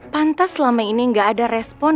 pantas selama ini nggak ada respon